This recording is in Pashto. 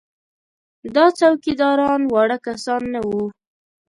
دا څوکیداران واړه کسان نه وو.